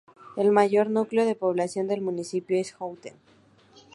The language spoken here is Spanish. El mayor núcleo de población del municipio es Houten.